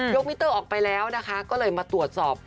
มิเตอร์ออกไปแล้วนะคะก็เลยมาตรวจสอบ